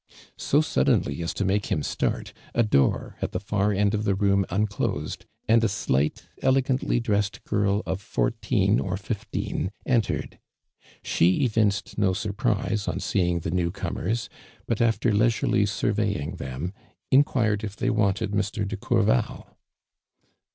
So suddenly as to make him start, a door at the far en<l of the room Tuiclosed, and a slight, elegantly dressed girl of fourteen or tll'teen entered, .'^he evinced no surprise on seeing the new comers, but after leisure ly suiveying them, inquired if they wanted Mr. lie Courval.